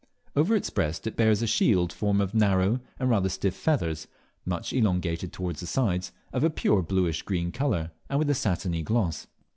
Over its breast it bears a shield formed of narrow and rather stiff feathers, much elongated towards the sides, of a pure bluish green colour, and with a satiny gloss.